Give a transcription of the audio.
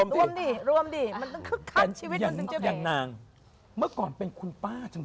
ฟุรุ้ง